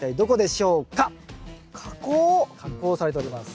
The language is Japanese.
加工されております。